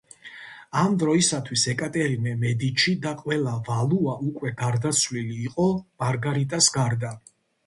ამ დროისათვის ეკატერინე მედიჩი და ყველა ვალუა უკვე გარდაცვლილი იყო მარგარიტას გარდა.